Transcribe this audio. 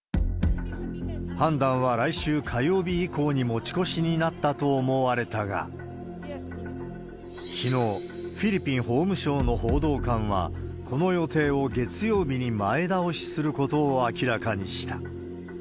判断は来週火曜日以降に持ち越しになったと思われたが、きのう、フィリピン法務省の報道官は、この予定を月曜日に前倒しすることを明らかにした。